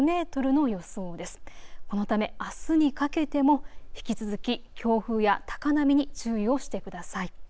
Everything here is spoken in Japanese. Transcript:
このため、あすにかけても引き続き強風や高波に注意をしてください。